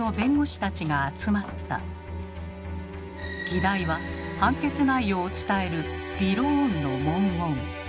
議題は判決内容を伝える「びろーん」の文言。